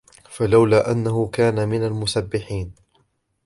فلولا أنه كان من المسبحين